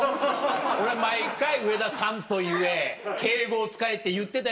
俺は毎回「上田さんと言え敬語を使え」って言ってたよ。